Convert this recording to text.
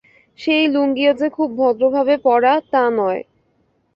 সেই লুঙ্গিও যে খুব ভদ্রভাবে পরা, তা নয়।